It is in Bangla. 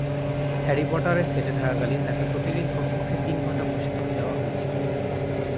হ্যারি পটারের সেটে থাকাকালীন, তাকে প্রতিদিন কমপক্ষে তিন ঘণ্টা প্রশিক্ষণ দেওয়া হয়েছিল।